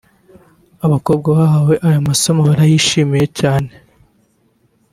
Abakobwa bahawe aya masomo barayishimiye cyane